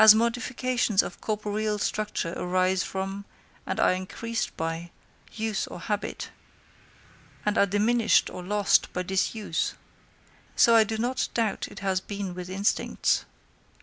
As modifications of corporeal structure arise from, and are increased by, use or habit, and are diminished or lost by disuse, so I do not doubt it has been with instincts.